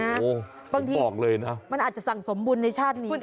สังภาษณ์เต่าได้มาคุณบอกเลยนะบางทีมันอาจจะสั่งสมบุญในชาตินี้ก็ได้